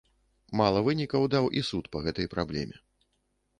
Мала вынікаў даў і суд па гэтай праблеме.